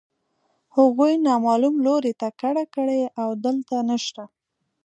هغوی نامعلوم لوري ته کډه کړې او دلته نشته